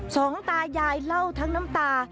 สองตายายเล่าทั้งน้ำตา